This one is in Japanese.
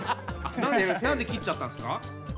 何で切っちゃったんですか？